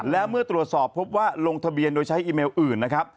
และเมื่อตรวจสอบพบว่าลงทะเบียนโดยใช้อีเมลอื่นนะครับ